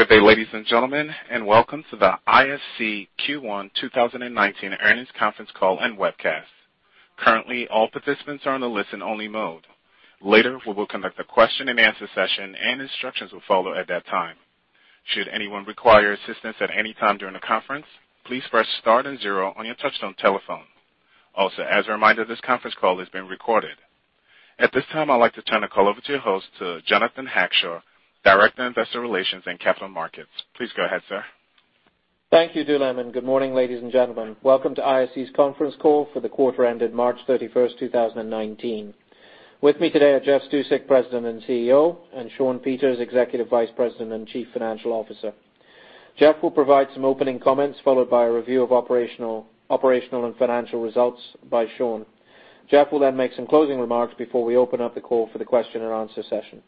Good day, ladies and gentlemen, and welcome to the ISC Q1 2019 earnings conference call and webcast. Currently, all participants are on a listen-only mode. Later, we will conduct a question and answer session, and instructions will follow at that time. Should anyone require assistance at any time during the conference, please press star and zero on your touchtone telephone. Also, as a reminder, this conference call is being recorded. At this time, I'd like to turn the call over to your host, to Jonathan Hackshaw, Director of Investor Relations & Capital Markets. Please go ahead, sir. Thank you, Dylan, and good morning, ladies and gentlemen. Welcome to ISC's conference call for the quarter ended March 31st, 2019. With me today are Jeff Stusek, President and CEO, and Shawn Peters, Executive Vice President and Chief Financial Officer. Jeff will provide some opening comments, followed by a review of operational and financial results by Shawn. Jeff will then make some closing remarks before we open up the call for the question and answer session.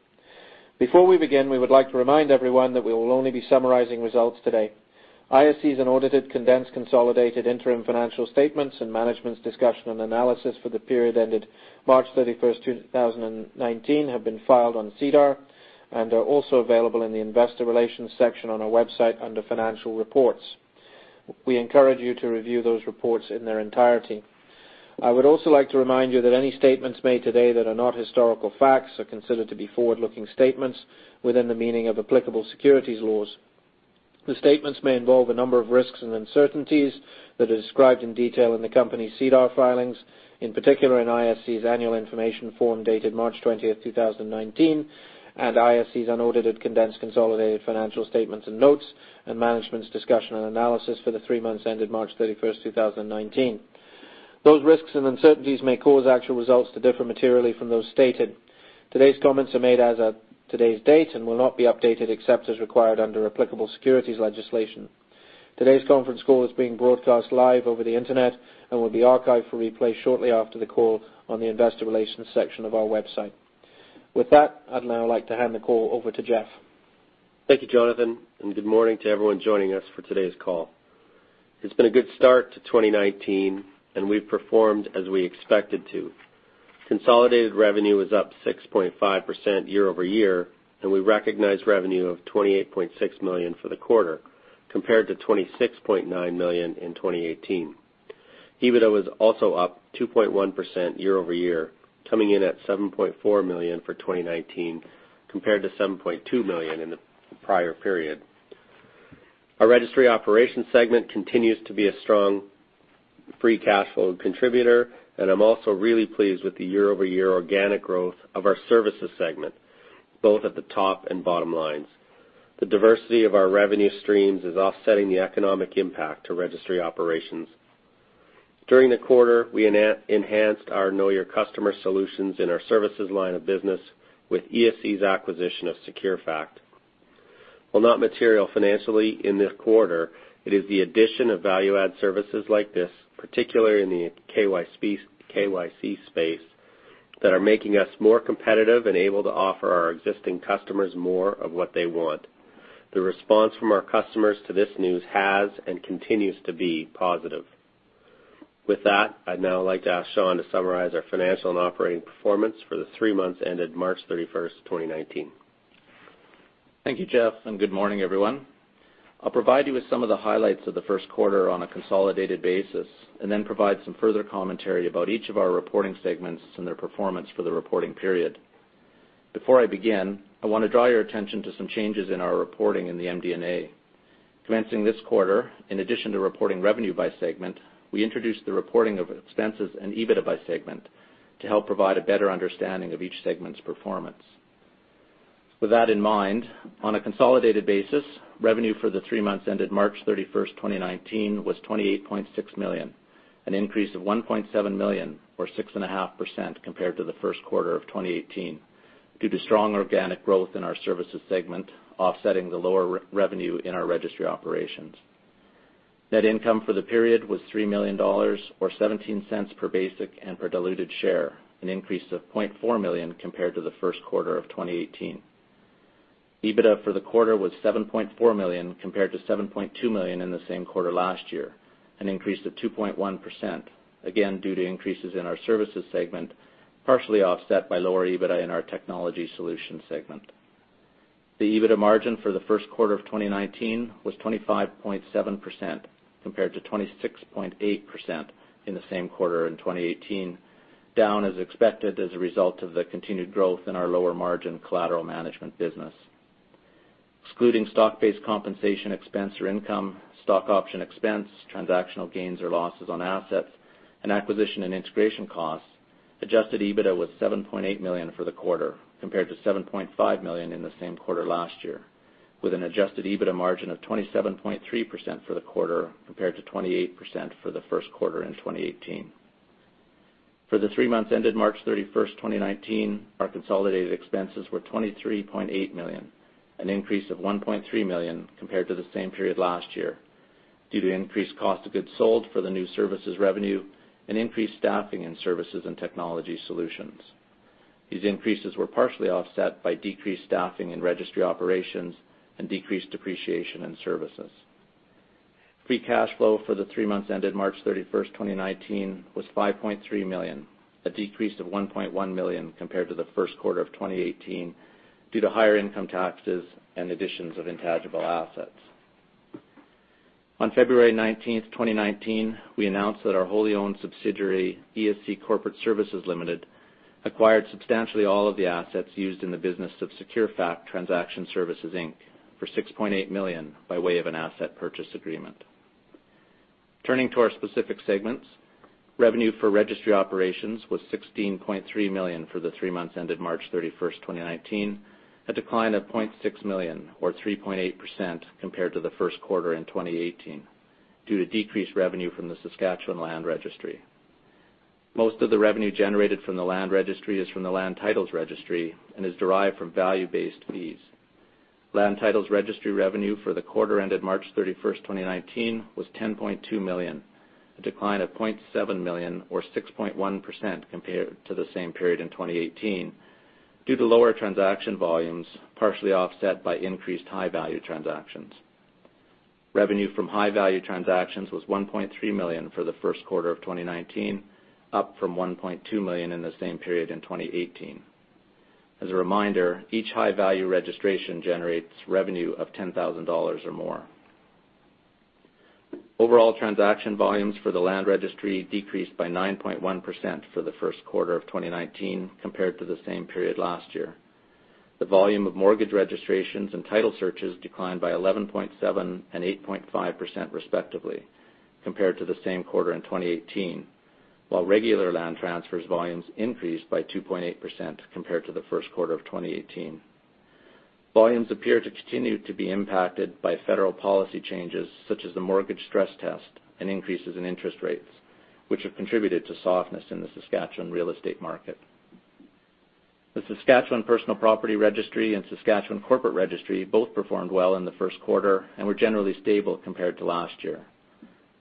Before we begin, we would like to remind everyone that we will only be summarizing results today. ISC's audited condensed consolidated interim financial statements and management's discussion and analysis for the period ended March 31st, 2019 have been filed on SEDAR and are also available in the investor relations section on our website under financial reports. We encourage you to review those reports in their entirety. I would also like to remind you that any statements made today that are not historical facts are considered to be forward-looking statements within the meaning of applicable securities laws. The statements may involve a number of risks and uncertainties that are described in detail in the company's SEDAR filings. In particular, in ISC's annual information form dated March 20th, 2019, and ISC's audited condensed consolidated financial statements and notes and management's discussion and analysis for the three months ended March 31st, 2019. Those risks and uncertainties may cause actual results to differ materially from those stated. Today's comments are made as at today's date and will not be updated except as required under applicable securities legislation. Today's conference call is being broadcast live over the internet and will be archived for replay shortly after the call on the investor relations section of our website. With that, I'd now like to hand the call over to Jeff. Thank you, Jonathan, and good morning to everyone joining us for today's call. It's been a good start to 2019, and we've performed as we expected to. Consolidated revenue is up 6.5% year-over-year, and we recognized revenue of 28.6 million for the quarter, compared to 26.9 million in 2018. EBITDA was also up 2.1% year-over-year, coming in at 7.4 million for 2019, compared to 7.2 million in the prior period. Our registry operations segment continues to be a strong free cash flow contributor, and I'm also really pleased with the year-over-year organic growth of our services segment, both at the top and bottom lines. The diversity of our revenue streams is offsetting the economic impact to registry operations. During the quarter, we enhanced our Know Your Customer solutions in our services line of business with ESC's acquisition of Securefact. While not material financially in this quarter, it is the addition of value-add services like this, particularly in the KYC space, that are making us more competitive and able to offer our existing customers more of what they want. The response from our customers to this news has and continues to be positive. With that, I'd now like to ask Shawn to summarize our financial and operating performance for the three months ended March 31st, 2019. Thank you, Jeff, and good morning, everyone. I'll provide you with some of the highlights of the first quarter on a consolidated basis and then provide some further commentary about each of our reporting segments and their performance for the reporting period. Before I begin, I want to draw your attention to some changes in our reporting in the MD&A. Commencing this quarter, in addition to reporting revenue by segment, we introduced the reporting of expenses and EBITDA by segment to help provide a better understanding of each segment's performance. With that in mind, on a consolidated basis, revenue for the three months ended March 31st, 2019 was 28.6 million, an increase of 1.7 million or 6.5% compared to the first quarter of 2018 due to strong organic growth in our services segment offsetting the lower revenue in our registry operations. Net income for the period was 3 million dollars or 0.17 per basic and per diluted share, an increase of 0.4 million compared to the first quarter of 2018. EBITDA for the quarter was 7.4 million compared to 7.2 million in the same quarter last year, an increase of 2.1%, again, due to increases in our services segment, partially offset by lower EBITDA in our technology solutions segment. The EBITDA margin for the first quarter of 2019 was 25.7%, compared to 26.8% in the same quarter in 2018, down as expected as a result of the continued growth in our lower margin collateral management business. Excluding stock-based compensation expense or income, stock option expense, transactional gains or losses on assets, and acquisition and integration costs, adjusted EBITDA was 7.8 million for the quarter compared to 7.5 million in the same quarter last year, with an adjusted EBITDA margin of 27.3% for the quarter compared to 28% for the first quarter in 2018. For the three months ended March 31st, 2019, our consolidated expenses were 23.8 million, an increase of 1.3 million compared to the same period last year due to increased cost of goods sold for the new services revenue and increased staffing in services and technology solutions. These increases were partially offset by decreased staffing in registry operations and decreased depreciation in services. Free cash flow for the three months ended March 31st, 2019 was 5.3 million, a decrease of 1.1 million compared to the first quarter of 2018 due to higher income taxes and additions of intangible assets. On February 19th, 2019, we announced that our wholly owned subsidiary, ESC Corporate Services Limited, acquired substantially all of the assets used in the business of Securefact Transaction Services, Inc. for 6.8 million by way of an asset purchase agreement. Turning to our specific segments. Revenue for registry operations was 16.3 million for the three months ended March 31st, 2019, a decline of 0.6 million or 3.8% compared to the first quarter in 2018 due to decreased revenue from the Saskatchewan Land Registry. Most of the revenue generated from the Land Registry is from the Land Titles Registry and is derived from value-based fees. Land Titles Registry revenue for the quarter ended March 31st, 2019 was 10.2 million, a decline of 0.7 million or 6.1% compared to the same period in 2018 due to lower transaction volumes, partially offset by increased high-value transactions. Revenue from high-value transactions was 1.3 million for the first quarter of 2019, up from 1.2 million in the same period in 2018. As a reminder, each high-value registration generates revenue of 10,000 dollars or more. Overall transaction volumes for the Land Registry decreased by 9.1% for the first quarter of 2019 compared to the same period last year. The volume of mortgage registrations and title searches declined by 11.7% and 8.5% respectively compared to the same quarter in 2018, while regular land transfers volumes increased by 2.8% compared to the first quarter of 2018. Volumes appear to continue to be impacted by federal policy changes such as the mortgage stress test and increases in interest rates, which have contributed to softness in the Saskatchewan real estate market. The Saskatchewan Personal Property Registry and Saskatchewan Corporate Registry both performed well in the first quarter and were generally stable compared to last year.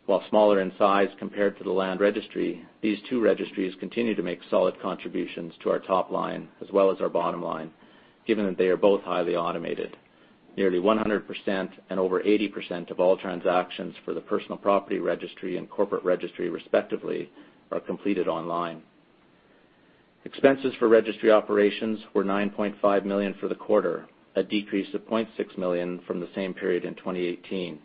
While smaller in size compared to the Land Registry, these two registries continue to make solid contributions to our top line as well as our bottom line, given that they are both highly automated. Nearly 100% and over 80% of all transactions for the Personal Property Registry and Corporate Registry, respectively, are completed online. Expenses for registry operations were 9.5 million for the quarter, a decrease of 0.6 million from the same period in 2018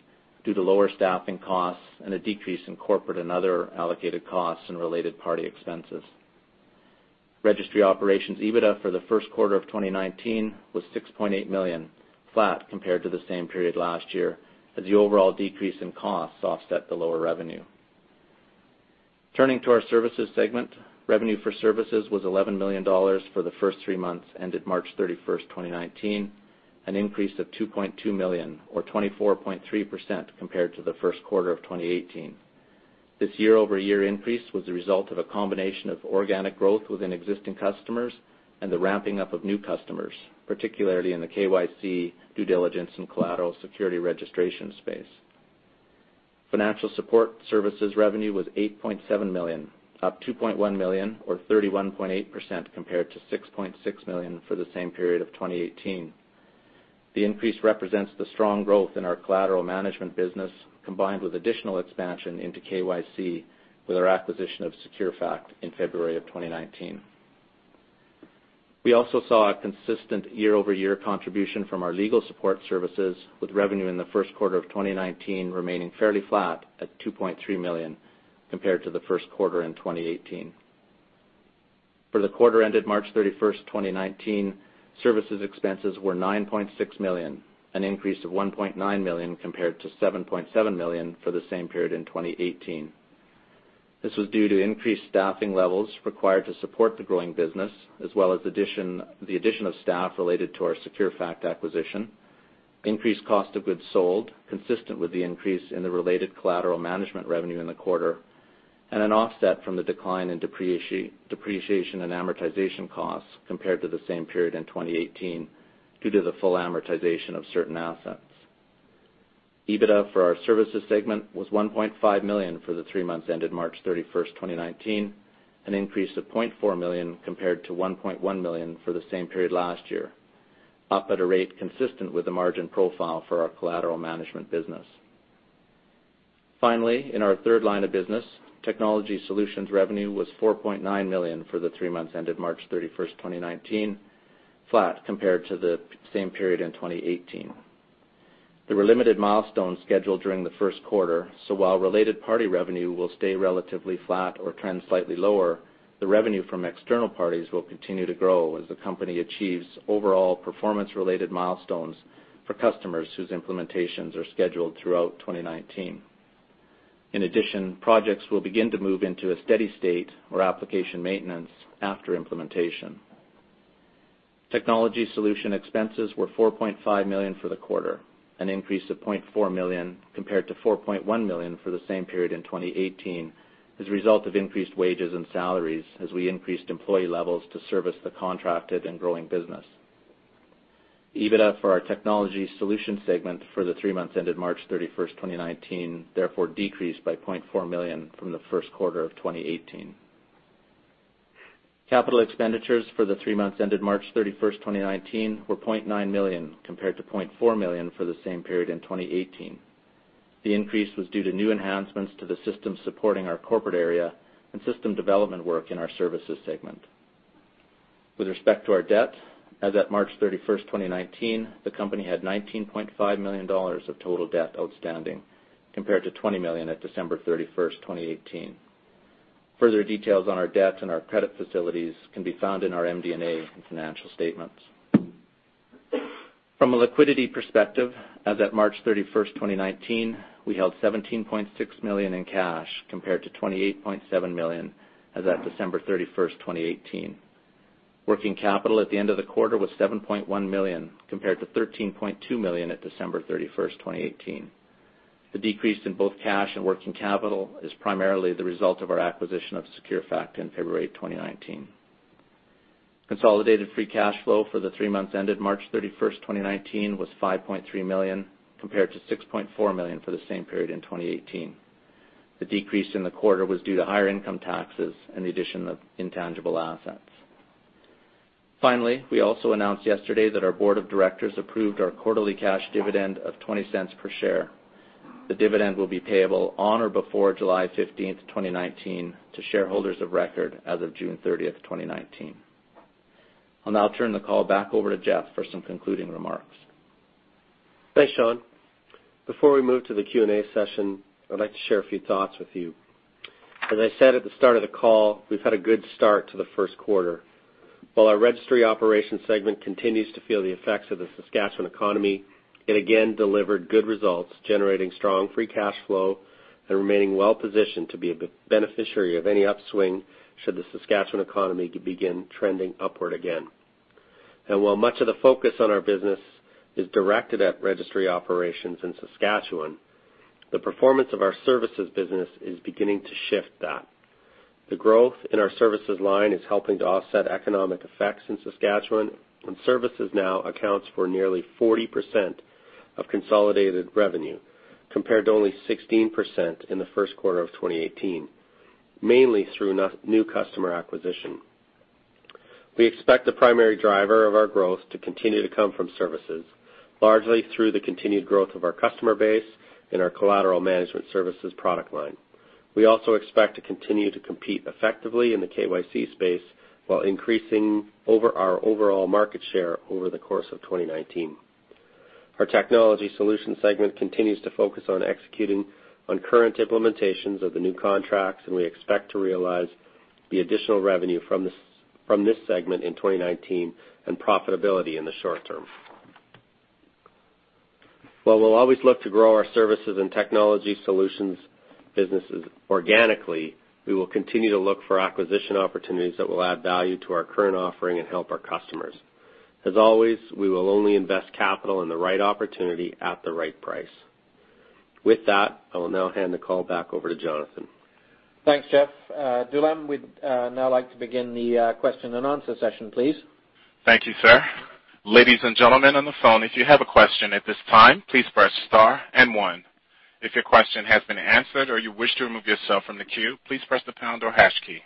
due to lower staffing costs and a decrease in corporate and other allocated costs and related party expenses. Registry operations EBITDA for the first quarter of 2019 was 6.8 million, flat compared to the same period last year as the overall decrease in costs offset the lower revenue. Turning to our Services segment, revenue for services was 11 million dollars for the first three months ended March 31st, 2019, an increase of 2.2 million or 24.3% compared to the first quarter of 2018. This year-over-year increase was the result of a combination of organic growth within existing customers and the ramping up of new customers, particularly in the KYC due diligence and collateral security registration space. Financial Support Services revenue was 8.7 million, up 2.1 million or 31.8% compared to 6.6 million for the same period of 2018. The increase represents the strong growth in our collateral management business, combined with additional expansion into KYC with our acquisition of Securefact in February of 2019. We also saw a consistent year-over-year contribution from our Legal Support Services, with revenue in the first quarter of 2019 remaining fairly flat at 2.3 million compared to the first quarter in 2018. For the quarter ended March 31st, 2019, Services expenses were 9.6 million, an increase of 1.9 million compared to 7.7 million for the same period in 2018. This was due to increased staffing levels required to support the growing business, as well as the addition of staff related to our Securefact acquisition, increased cost of goods sold consistent with the increase in the related collateral management revenue in the quarter, and an offset from the decline in depreciation and amortization costs compared to the same period in 2018 due to the full amortization of certain assets. EBITDA for our Services segment was 1.5 million for the three months ended March 31st, 2019, an increase of 0.4 million compared to 1.1 million for the same period last year, up at a rate consistent with the margin profile for our collateral management business. Finally, in our third line of business, Technology Solutions revenue was 4.9 million for the three months ended March 31st, 2019, flat compared to the same period in 2018. There were limited milestones scheduled during the first quarter, while related party revenue will stay relatively flat or trend slightly lower, the revenue from external parties will continue to grow as the company achieves overall performance-related milestones for customers whose implementations are scheduled throughout 2019. In addition, projects will begin to move into a steady state or application maintenance after implementation. Technology Solutions expenses were 4.5 million for the quarter, an increase of 0.4 million compared to 4.1 million for the same period in 2018 as a result of increased wages and salaries as we increased employee levels to service the contracted and growing business. EBITDA for our technology solution segment for the three months ended March 31st, 2019, therefore decreased by 0.4 million from the first quarter of 2018. Capital expenditures for the three months ended March 31st, 2019 were 0.9 million compared to 0.4 million for the same period in 2018. The increase was due to new enhancements to the system supporting our corporate area and system development work in our services segment. With respect to our debt, as at March 31st, 2019, the company had 19.5 million dollars of total debt outstanding, compared to 20 million at December 31st, 2018. Further details on our debt and our credit facilities can be found in our MD&A and financial statements. From a liquidity perspective, as at March 31st, 2019, we held 17.6 million in cash compared to 28.7 million as at December 31st, 2018. Working capital at the end of the quarter was 7.1 million compared to 13.2 million at December 31st, 2018. The decrease in both cash and working capital is primarily the result of our acquisition of Securefact in February 2019. Consolidated free cash flow for the three months ended March 31st, 2019 was 5.3 million, compared to 6.4 million for the same period in 2018. The decrease in the quarter was due to higher income taxes and the addition of intangible assets. We also announced yesterday that our board of directors approved our quarterly cash dividend of 0.20 per share. The dividend will be payable on or before July 15th, 2019 to shareholders of record as of June 30th, 2019. I'll now turn the call back over to Jeff for some concluding remarks. Thanks, Shawn. Before we move to the Q&A session, I'd like to share a few thoughts with you. As I said at the start of the call, we've had a good start to the first quarter. While our registry operations segment continues to feel the effects of the Saskatchewan economy, it again delivered good results, generating strong free cash flow and remaining well-positioned to be a beneficiary of any upswing should the Saskatchewan economy begin trending upward again. While much of the focus on our business is directed at registry operations in Saskatchewan, the performance of our services business is beginning to shift that. The growth in our services line is helping to offset economic effects in Saskatchewan, and services now accounts for nearly 40% of consolidated revenue, compared to only 16% in the first quarter of 2018, mainly through new customer acquisition. We expect the primary driver of our growth to continue to come from services, largely through the continued growth of our customer base and our collateral management services product line. We also expect to continue to compete effectively in the KYC space while increasing our overall market share over the course of 2019. Our technology solutions segment continues to focus on executing on current implementations of the new contracts, and we expect to realize the additional revenue from this segment in 2019 and profitability in the short term. While we'll always look to grow our services and technology solutions businesses organically, we will continue to look for acquisition opportunities that will add value to our current offering and help our customers. As always, we will only invest capital in the right opportunity at the right price. With that, I will now hand the call back over to Jonathan. Thanks, Jeff. Dylan, we'd now like to begin the question and answer session, please. Thank you, sir. Ladies and gentlemen on the phone, if you have a question at this time, please press star and one. If your question has been answered or you wish to remove yourself from the queue, please press the pound or hash key.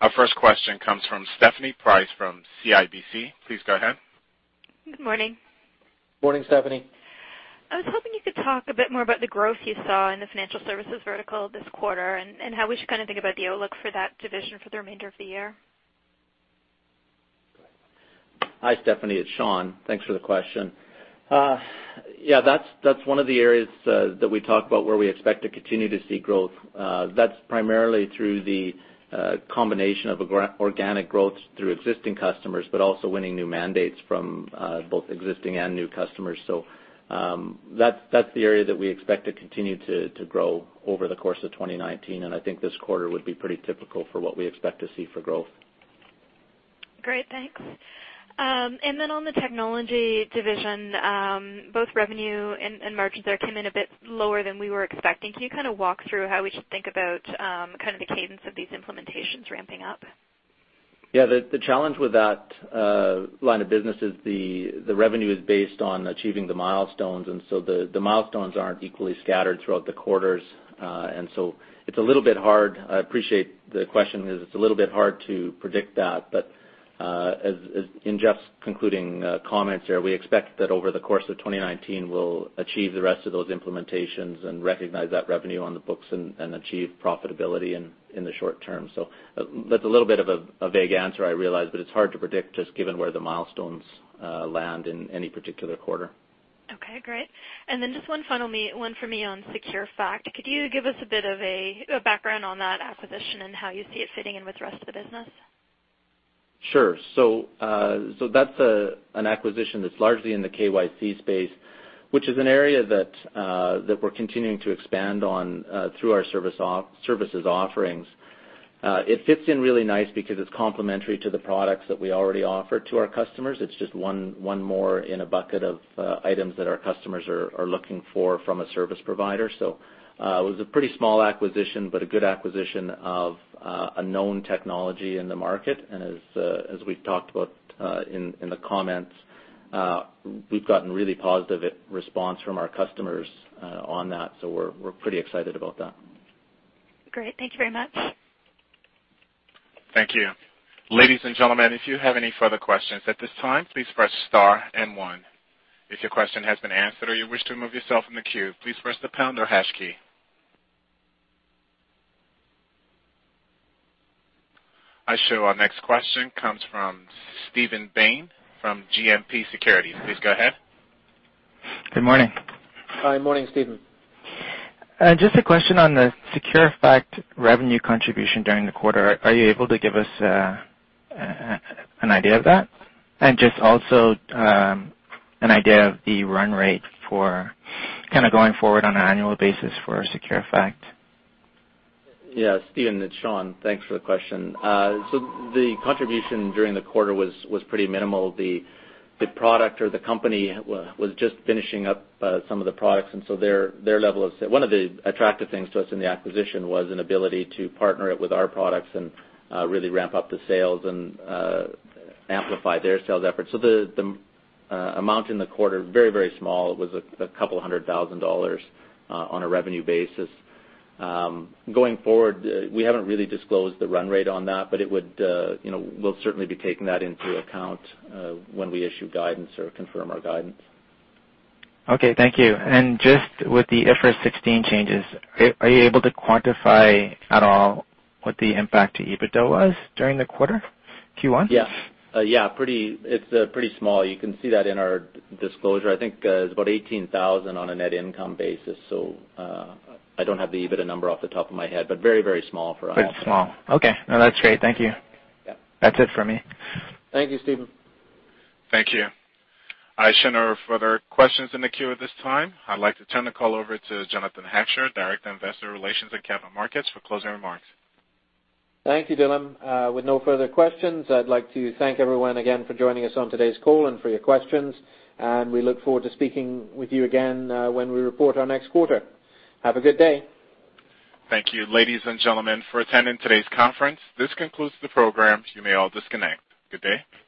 Our first question comes from Stephanie Price from CIBC. Please go ahead. Good morning. Morning, Stephanie. I was hoping you could talk a bit more about the growth you saw in the financial services vertical this quarter and how we should think about the outlook for that division for the remainder of the year. Hi, Stephanie, it's Shawn. Thanks for the question. Yeah, that's one of the areas that we talk about where we expect to continue to see growth. That's primarily through the combination of organic growth through existing customers, also winning new mandates from both existing and new customers. That's the area that we expect to continue to grow over the course of 2019, and I think this quarter would be pretty typical for what we expect to see for growth. Great. Thanks. On the technology division, both revenue and margins there came in a bit lower than we were expecting. Can you walk through how we should think about the cadence of these implementations ramping up? Yeah. The challenge with that line of business is the revenue is based on achieving the milestones, the milestones aren't equally scattered throughout the quarters. It's a little bit hard. I appreciate the question, it's a little bit hard to predict that, in Jeff's concluding comments there, we expect that over the course of 2019, we'll achieve the rest of those implementations and recognize that revenue on the books and achieve profitability in the short term. That's a little bit of a vague answer, I realize, it's hard to predict just given where the milestones land in any particular quarter. Okay, great. Just one final one for me on Securefact. Could you give us a bit of a background on that acquisition and how you see it fitting in with the rest of the business? Sure. That's an acquisition that's largely in the KYC space, which is an area that we're continuing to expand on through our services offerings. It fits in really nice because it's complementary to the products that we already offer to our customers. It's just one more in a bucket of items that our customers are looking for from a service provider. It was a pretty small acquisition, but a good acquisition of a known technology in the market. As we've talked about in the comments, we've gotten really positive response from our customers on that, we're pretty excited about that. Great. Thank you very much. Thank you. Ladies and gentlemen, if you have any further questions at this time, please press star and one. If your question has been answered or you wish to remove yourself from the queue, please press the pound or hash key. I show our next question comes from Steven Bain from GMP Securities. Please go ahead. Good morning. Hi. Morning, Steven. Just a question on the Securefact revenue contribution during the quarter. Are you able to give us an idea of that? Just also an idea of the run rate for kind of going forward on an annual basis for Securefact? Yeah, Steven, it's Shawn. Thanks for the question. The contribution during the quarter was pretty minimal. The product or the company was just finishing up some of the products. One of the attractive things to us in the acquisition was an ability to partner it with our products and really ramp up the sales and amplify their sales efforts. The amount in the quarter, very small. It was 200,000 dollars on a revenue basis. Going forward, we haven't really disclosed the run rate on that, but we'll certainly be taking that into account when we issue guidance or confirm our guidance. Okay, thank you. Just with the IFRS 16 changes, are you able to quantify at all what the impact to EBITDA was during the quarter, Q1? Yes. It's pretty small. You can see that in our disclosure. I think it's about 18,000 on a net income basis. I don't have the EBITDA number off the top of my head, but very small for us. Pretty small. Okay. No, that's great. Thank you. Yeah. That's it for me. Thank you, Steven. Thank you. I show no further questions in the queue at this time. I'd like to turn the call over to Jonathan Hackshaw, Director of Investor Relations at Capital Markets, for closing remarks. Thank you, Dylan. With no further questions, I'd like to thank everyone again for joining us on today's call and for your questions. We look forward to speaking with you again when we report our next quarter. Have a good day. Thank you, ladies and gentlemen, for attending today's conference. This concludes the program. You may all disconnect. Good day.